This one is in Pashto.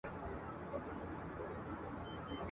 او لا تر اوسه له پېړیو له سدیو وروسته ..